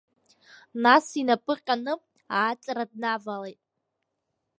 Нас инапы ҟьаны ааҵра днавалеит.